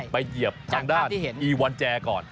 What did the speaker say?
ไปเหยียบทางด้านอีวัลแจร์ก่อน